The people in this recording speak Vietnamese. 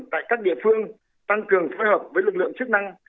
tại các địa phương tăng cường phối hợp với lực lượng chức năng